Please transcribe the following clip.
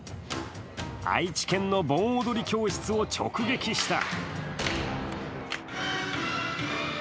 愛知県の盆踊り教室を直撃した。